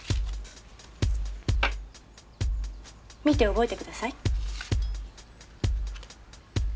見て覚えてください。